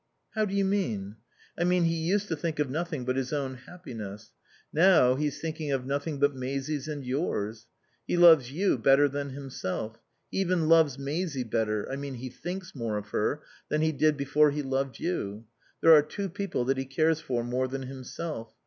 "How do you mean?" "I mean he used to think of nothing but his own happiness. Now he's thinking of nothing but Maisie's and yours. He loves you better than himself. He even loves Maisie better I mean he thinks more of her than he did before he loved you. There are two people that he cares for more than himself.